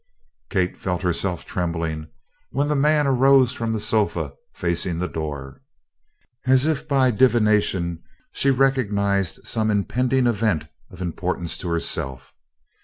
Kate felt herself trembling when the man arose from the sofa facing the door. As if by divination she recognized some impending event of importance to herself.